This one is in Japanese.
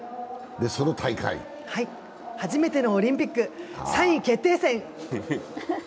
初めてのオリンピック、３位決定戦！